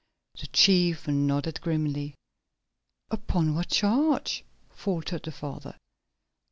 The chief nodded grimly. "Upon what charge?" faltered the father.